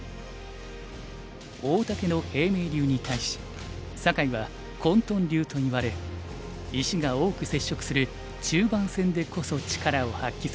大竹の平明流に対し酒井は混沌流といわれ石が多く接触する中盤戦でこそ力を発揮する。